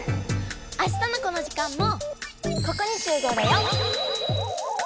あしたのこの時間もここに集合だよ！